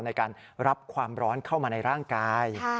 ในการรับความร้อนเข้ามาในร่างกาย